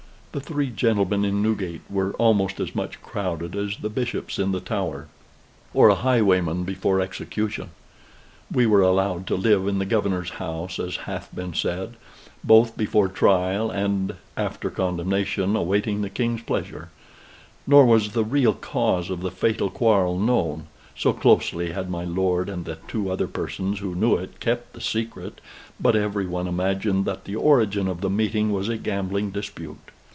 The three gentlemen in Newgate were almost as much crowded as the bishops in the Tower, or a highwayman before execution. We were allowed to live in the Governor's house, as hath been said, both before trial and after condemnation, waiting the King's pleasure; nor was the real cause of the fatal quarrel known, so closely had my lord and the two other persons who knew it kept the secret, but every one imagined that the origin of the meeting was a gambling dispute.